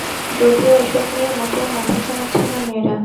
যদিও এসব নিয়ে মোটেও মাথা ঘামাচ্ছে না মেয়েরা।